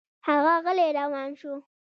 هغه غلی روان شو.